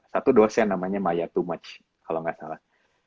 satu dosen namanya maya tumac kalau gak salah